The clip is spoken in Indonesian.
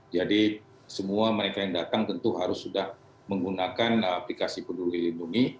jadi semua mereka yang datang tentu harus sudah menggunakan aplikasi peduli lindungi